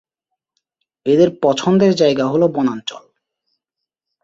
এদের পছন্দের জায়গা হল বনাঞ্চল।